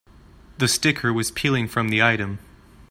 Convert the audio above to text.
The sticker was peeling from the item.